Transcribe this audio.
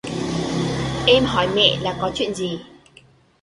Em hỏi mẹ là có chuyện gì